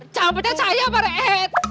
jangan pedas saya pak reket